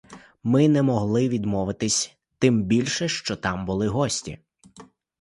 Ми не могли відмовитись, тим більше, що там були гості.